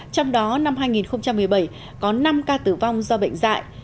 trong đó năm hai nghìn một mươi bảy có năm ca tử vong do bệnh dạy